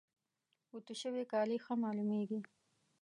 اوتو شوي کالي ښه معلوميږي.